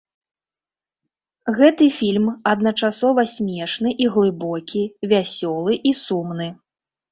Гэты фільм адначасова смешны і глыбокі, вясёлы і сумны.